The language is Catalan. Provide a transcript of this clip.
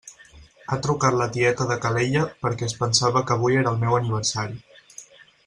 Ha trucat la tieta de Calella perquè es pensava que avui era el meu aniversari.